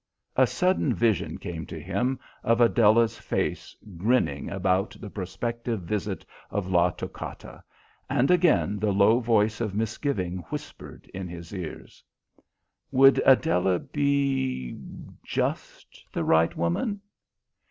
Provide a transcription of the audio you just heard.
A sudden vision came to him of Adela's face grinning about the prospective visit of La Toccata, and again the low voice of misgiving whispered in his ears. Would Adela be just the right woman?